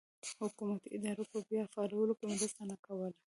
حکومتي ادارو په بیا فعالولو کې مرسته نه کوله.